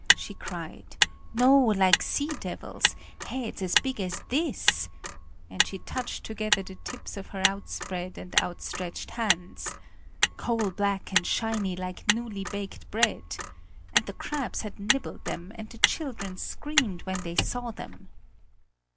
she cried; "no, like sea devils! Heads as big as this," and she touched together the tips of her outspread and outstretched hands, "coal black and shiny, like newly baked bread! And the crabs had nibbled them, and the children screamed when they saw them."